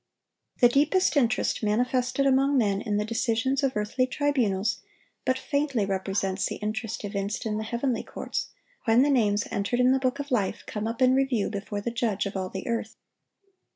(858) The deepest interest manifested among men in the decisions of earthly tribunals but faintly represents the interest evinced in the heavenly courts when the names entered in the book of life come up in review before the Judge of all the earth.